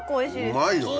うまいよね。